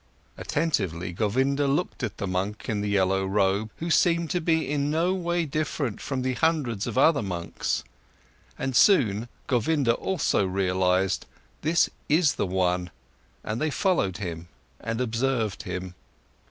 Attentively, Govinda looked at the monk in the yellow robe, who seemed to be in no way different from the hundreds of other monks. And soon, Govinda also realized: This is the one. And they followed him and observed him.